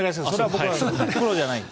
僕はプロじゃないんで。